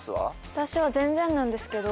私は全然なんですけど。